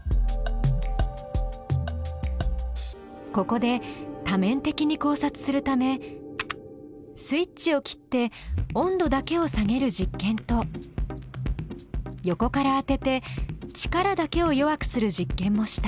ここで多面的に考察するためスイッチを切って温度だけを下げる実験と横から当てて力だけを弱くする実験もした。